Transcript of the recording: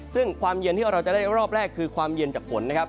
ซึ่งความเย็นที่เราจะได้รอบแรกคือความเย็นจากฝนนะครับ